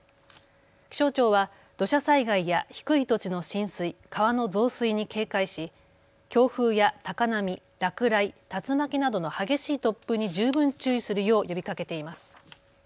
気象庁は土砂災害や低い土地の浸水、川の増水に警戒し強風や高波、落雷、竜巻などの激しい突風に十分注意するよう呼びかけています。